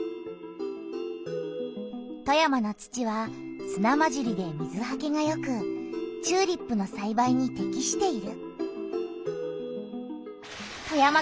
富山の土はすなまじりで水はけがよくチューリップのさいばいにてきしている。